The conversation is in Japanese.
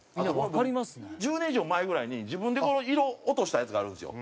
１０年以上前ぐらいに自分でこの色落としたやつがあるんですよ。